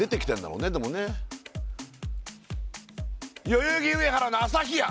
代々木上原の朝日屋！